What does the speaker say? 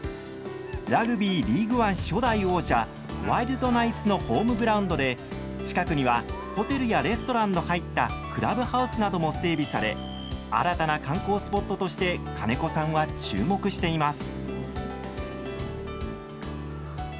ラグビーリーグワン初代王者、ワイルドナイツのホームグラウンドで近くにはホテルやレストランの入ったクラブハウスなども整備され新たな観光スポットとして金子さんは注目しています。